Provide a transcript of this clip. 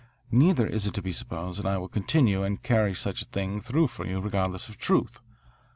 Neither is it to be supposed that I will continue and carry such a thing through for you regardless of truth.